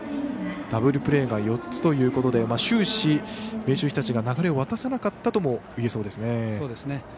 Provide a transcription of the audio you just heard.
ダブルプレーが４つということで終始、明秀日立が流れを渡さなかったともいえそうですね。